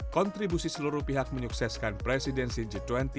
kontribusi seluruh pihak menyukseskan presidensi g dua puluh